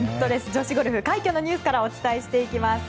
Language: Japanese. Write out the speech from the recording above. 女子ゴルフ快挙のニュースからお伝えします。